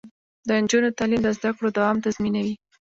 د نجونو تعلیم د زدکړو دوام تضمینوي.